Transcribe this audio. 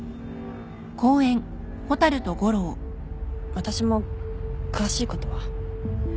私も詳しいことは。